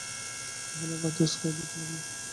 কেবলই বাতি উসকাইয়া দিতে লাগিল ।